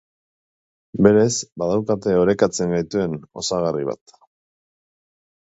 Berez badaukate orekatzen gaituen osagarri bat.